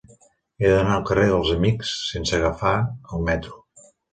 He d'anar al carrer dels Amics sense agafar el metro.